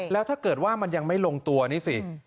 แล้วถ้าเกิดว่ามันยังไม่ลงตัวนี่สิ